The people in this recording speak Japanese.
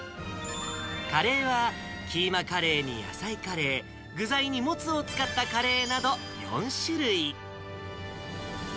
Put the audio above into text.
カレーはキーマカレーに野菜カレー、具材にもつを使ったカレーなど、４種類。